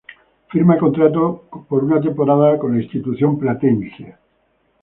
Firma contrato por una temporada con la institución platense.